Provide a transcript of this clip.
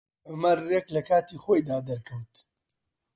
عومەر ڕێک لە کاتی خۆیدا دەرکەوت.